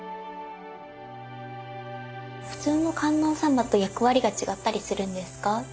普通の観音様と役割が違ったりするんですか？